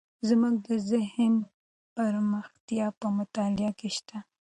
زموږ د ذهن پراختیا په مطالعه کې شته.